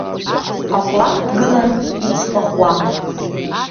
Акәлак дгылан ицқәа хуа.